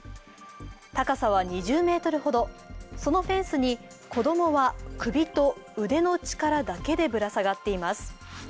高さは２０ｍほど、そのフェンスに子供は首と腕の力だけでぶら下がっています。